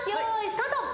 スタート。